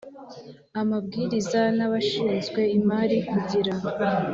amabwiriza n abashinzwe imari kugira